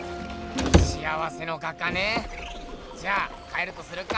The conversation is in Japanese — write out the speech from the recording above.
幸せの画家ねじゃあ帰るとするか。